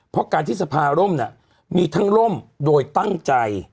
เพราะการที่สภาร่มมีทั้งร่มโดยตั้งใจ